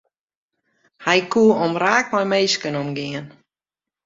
Hy koe omraak mei minsken omgean.